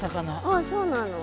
あそうなの。